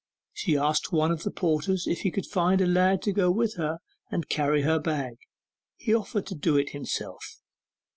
She asked one of the porters if he could find a lad to go with her and carry her bag: he offered to do it himself.